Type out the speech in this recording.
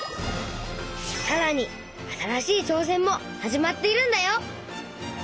さらに新しい挑戦も始まっているんだよ。